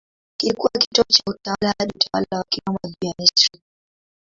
Kilikuwa kitovu cha utawala hadi utawala wa Kiroma juu ya Misri.